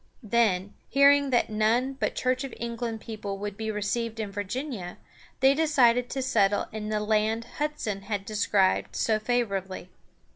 Then, hearing that none but Church of England people would be received in Virginia, they decided to settle in the land Hudson had described so favorably.